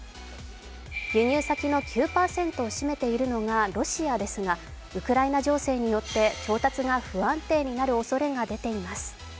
輸入先の９％を占めているのがロシアですが、ウクライナ情勢によって調達が不安定になるおそれが出ています。